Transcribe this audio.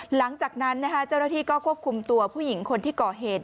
หลังจากนั้นเจ้าหน้าที่ก็ควบคุมตัวผู้หญิงคนที่ก่อเหตุ